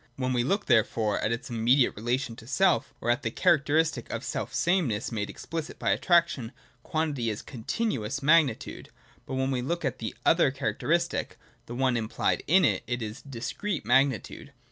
When we look therefore at its imme diate relation to self, or at the characteristic of self sameness made explicit by attraction, quantity is Con tinuous magnitude ; but when we look at the other characteristic, the One implied in it, it is Discrete magnitude.